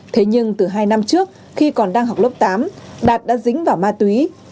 thế nhưng từ hai năm trước khi còn đang học lớp tám đạt đã dính vào ma túy